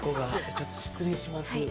ちょっと失礼します。